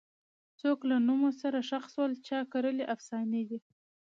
څوک له نومه سره ښخ سول چا کرلي افسانې دي